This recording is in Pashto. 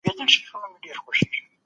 هغه د مغولو دربار ته محدود نه و